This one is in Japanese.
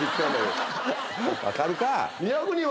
わかるか！